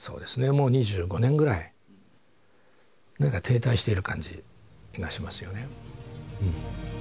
もう２５年ぐらい何か停滞している感じがしますよね。